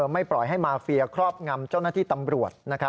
ไม่ปล่อยให้มาเฟียครอบงำเจ้าหน้าที่ตำรวจ